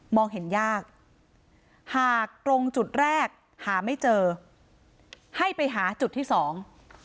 เห็นยากหากตรงจุดแรกหาไม่เจอให้ไปหาจุดที่สอง